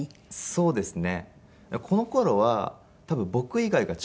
そうですね。